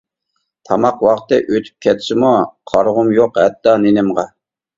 تاماق ۋاقتى ئۇتۇپ كەتسىمۇ، قارىغۇم يۇق ھەتتا نېنىمغا.